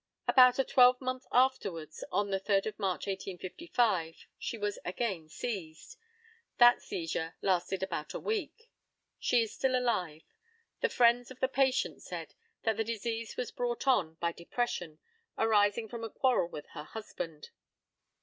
About a twelve month afterwards, on the 3rd of March, 1855, she was again seized. That seizure lasted about a week. She is still alive. The friends of the patient said that the disease was brought on by depression, arising from a quarrel with her husband.